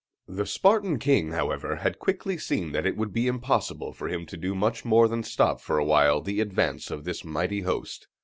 The Spartan king, however, had quickly seen that it would be impossible for him to do much more than stop for a while the advance of this mighty host.